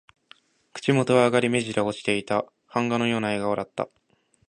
口元は上がり、目じりは落ちていた。版画のような笑顔だった。